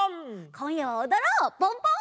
こんやはおどろうポンポン！